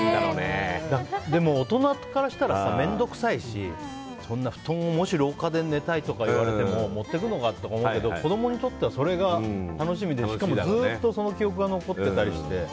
でも大人からしたら面倒くさいしそんな布団をもし廊下で寝たいとか言われても持っていくのかって思うけど子供にとってはそれが楽しみでしかもずっとその記憶が残っていたりして。